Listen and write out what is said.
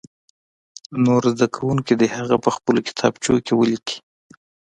نور زده کوونکي دې هغه په خپلو کتابچو کې ولیکي.